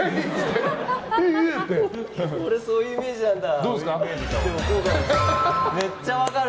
俺そういうイメージなんだ。